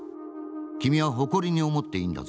君は誇りに思っていいんだぞ。